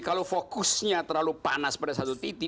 kalau fokusnya terlalu panas pada satu titik